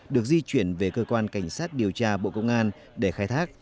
được di chuyển về cơ quan cảnh sát điều tra bộ công an để khai thác